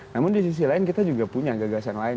namun di sisi lain kita juga punya gagasan lain